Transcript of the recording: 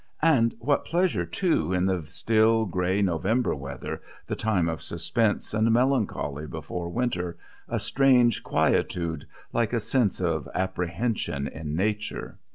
And what pleasure too, in the still grey November weather, the time of suspense and melancholy before winter, a strange quietude, like a sense of apprehension in nature!